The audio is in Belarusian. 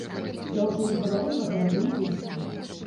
Я ўжо не гавару пра гарады і вёскі.